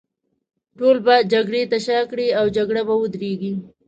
ټول به جګړې ته شا کړي، او جګړه به ودرېږي.